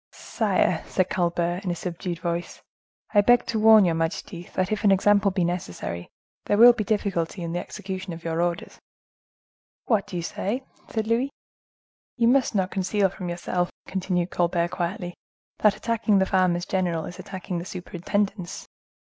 "Sire," said Colbert in a subdued voice, "I beg to warn your majesty, that if an example be necessary, there will be difficulty in the execution of your orders." "What do you say?" said Louis. "You must not conceal from yourself," continued Colbert quietly, "that attacking the farmers general is attacking the superintendence.